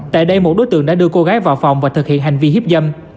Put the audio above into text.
tại đây một đối tượng đã đưa cô gái vào phòng và thực hiện hành vi hiếp dâm